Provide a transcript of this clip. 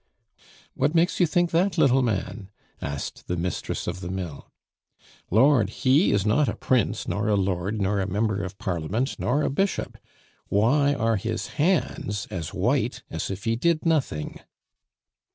"What makes you think that, little man?" asked the mistress of the mill. "Lord, he is not a prince, nor a lord, nor a member of parliament, nor a bishop; why are his hands as white as if he did nothing?"